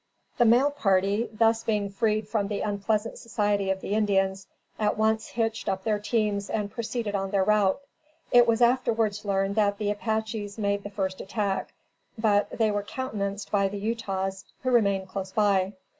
The mail party, being thus freed from the unpleasant society of the Indians, at once hitched up their teams and proceeded on their route. It was afterwards learned that the Apaches made the first attack, but, they were countenanced by the Utahs, who remained close by.